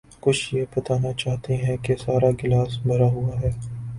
کچھ یہ بتانا چاہتے ہیں کہ سارا گلاس بھرا ہوا ہے۔